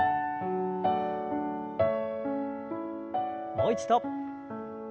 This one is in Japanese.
もう一度。